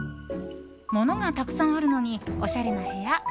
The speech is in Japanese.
物がたくさんあるのにおしゃれな部屋。